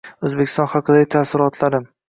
O`zbekiston haqidagi taassurotlarim